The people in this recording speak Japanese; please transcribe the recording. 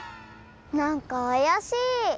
なんかあやしい。